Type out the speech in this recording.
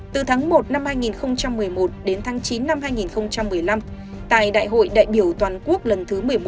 từ tháng một năm hai nghìn một mươi một đến tháng chín năm hai nghìn một mươi năm tại đại hội đại biểu toàn quốc lần thứ một mươi một